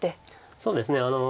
そうですね。